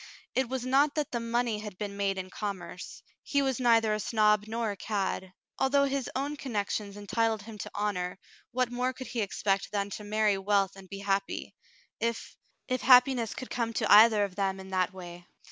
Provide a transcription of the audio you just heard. It was not that the money had been made in commerce ; he was neither a snob nor a cad. Although his own connections entitled him to honor, what more could he expect than to marry wealth and be happy, if — if happiness could come to either of them in that way.